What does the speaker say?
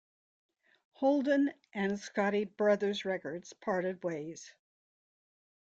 Holden and Scotti Brothers Records parted ways.